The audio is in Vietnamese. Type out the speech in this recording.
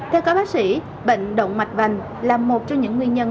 theo các bác sĩ bệnh động mạch vành là một trong những nguyên nhân